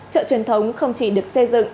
chợ truyền thống không chỉ được xây dựng